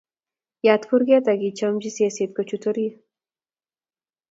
Yat kurget akichamchi seset ko chut orit